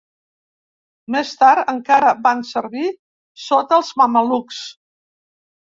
Més tard encara van servir sota els mamelucs.